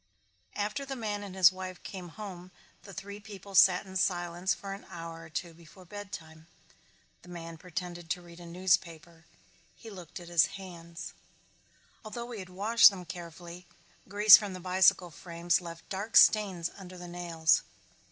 After the man and his wife came home the three people sat in silence for an hour or two before bedtime. The man pretended to read a newspaper. He looked at his hands. Although he had washed them carefully grease from the bicycle frames left dark stains under the nails.